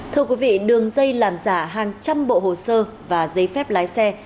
thưa quý vị đường dây làm giả hàng trăm bộ hồ sơ và giấy phép lái xe